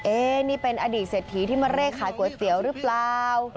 เอ๊นี่เป็นอดีตเสถียที่มาเร่งขายก๋วยเตี๋ยวรึเปล่า